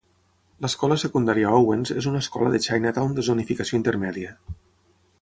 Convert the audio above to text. L'escola secundària Owens és una escola de Chinatown de zonificació intermèdia.